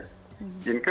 inca mungkin butuh